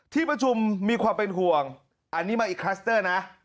ที่ประชุมมีความเป็นห่วงอันนี้มาอีกคลัสเตอร์นะ